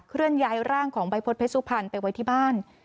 เลื่อนย้ายร่างของใบพฤษเพชสุพรรณไปไว้ที่บ้าน